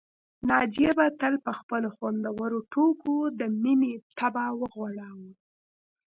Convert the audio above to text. ناجيې به تل په خپلو خوندورو ټوکو د مينې طبع وغوړاوه